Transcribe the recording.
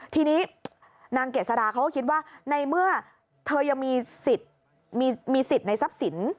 ทีนี้นางเกษาราเขาคิดว่าในเมื่อเธอยังมีสิทธิ์ในทรัพย์ศิลป์